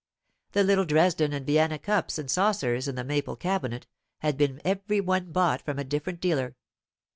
The little Dresden and Vienna cups and saucers in the maple cabinet had been every one bought from a different dealer.